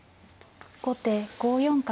後手５四角。